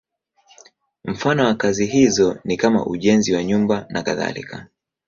Mfano wa kazi hizo ni kama ujenzi wa nyumba nakadhalika.